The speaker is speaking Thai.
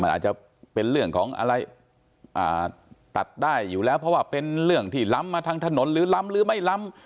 มันอาจจะเป็นเรื่องของอะไรตัดได้อยู่แล้วเพราะว่าเป็นเรื่องที่ล้ำมาทางถนนหรือล้ำหรือไม่ล้ำ